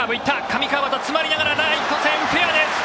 上川畑、詰まりながらライト線フェアです。